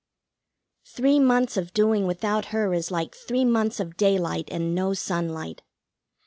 Three months of doing without her is like three months of daylight and no sunlight.